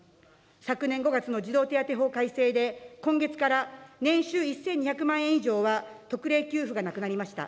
昨年５月の児童手当法改正で今月から年収１２００万円以上は特例給付がなくなりました。